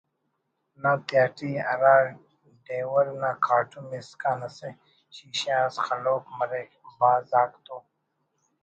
نا تہٹی ہرا ڈیور نا کاٹم اِسکان اسہ شیشہ اس خلوک مریک (بھاز آک تو